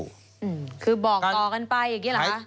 อืมคือบอกต่อกันไปอย่างนี้เหรอคะ